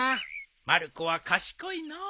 まる子は賢いのう。